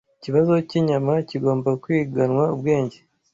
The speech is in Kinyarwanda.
Ikibazo cy’Inyama Kigomba Kwiganwa Ubwenge